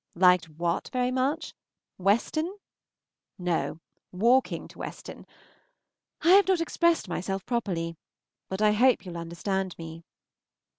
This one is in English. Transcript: Liked what very much? Weston? No, walking to Weston. I have not expressed myself properly, but I hope you will understand me.